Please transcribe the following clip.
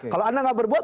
kalau anda nggak berbuat